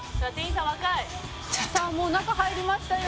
「さあもう中入りましたよ」